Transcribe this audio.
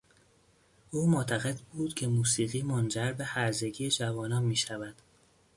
او معتقد بود که موسیقی منجر به هرزگی جوانان میشود.